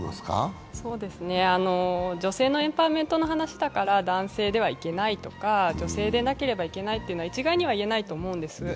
女性のエンパワーメントの話だから男性ではいけないとか、女性でなければいけないというのは一概には言えないと思うんです。